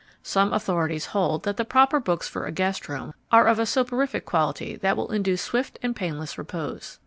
Some authorities hold that the proper books for a guest room are of a soporific quality that will induce swift and painless repose.